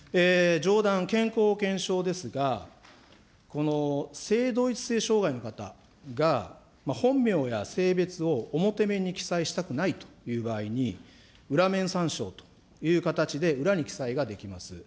上段、健康保険証ですが、この性同一性障害の人が本名や性別を表面に記載したくないという場合に、裏面参照という形で、裏に記載ができます。